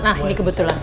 nah ini kebetulan